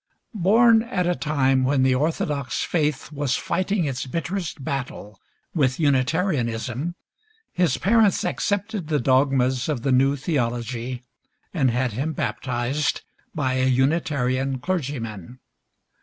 Born at a time when the orthodox faith was fighting its bitterest battle with Unitarianism, his parents accepted the dogmas of the new theology, and had him baptized by a Unitarian clergyman.